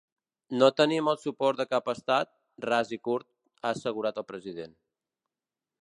No tenim el suport de cap estat, ras i curt, ha assegurat el president.